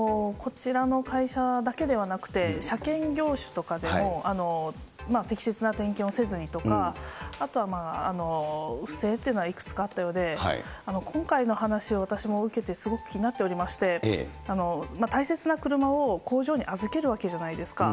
こちらの会社だけではなくて、車検業種とかでも、適切な点検をせずにとか、あとは不正っていうのはいくつかあったようで、今回の話を私も受けてすごく気になっておりまして、大切な車を工場に預けるわけじゃないですか。